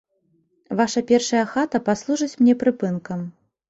Ваша першая хата паслужыць мне прыпынкам.